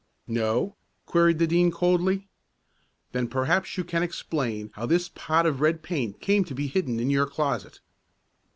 "No?" queried the Dean coldly. "Then perhaps you can explain how this pot of red paint came to be hidden in your closet."